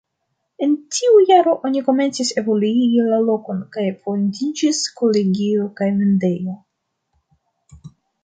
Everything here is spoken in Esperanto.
En tiu jaro oni komencis evoluigi la lokon, kaj fondiĝis kolegio kaj vendejo.